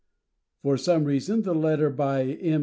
For some reason, the letter by M.